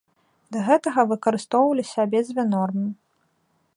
Да гэтага выкарыстоўваліся абедзве нормы.